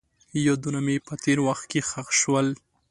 یادونه مې په تېر وخت کې ښخ شول.